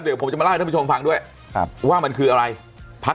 เดี๋ยวผมจะมาเล่าให้ท่านผู้ชมฟังด้วยครับว่ามันคืออะไรพัก